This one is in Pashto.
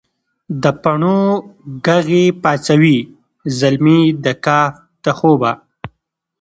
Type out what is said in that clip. دپڼو ږغ یې پاڅوي زلمي د کهف دخوبه